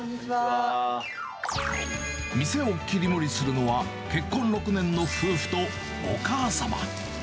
店を切り盛りするのは、結婚６年の夫婦とお母様。